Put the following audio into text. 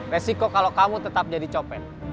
resiko kalau kamu tetap jadi copen